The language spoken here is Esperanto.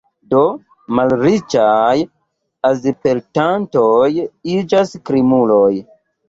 Do malriĉaj azilpetantoj iĝas krimuloj.